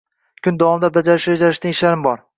Kun davomida bajarishni rejalashtirgan ishlarim bor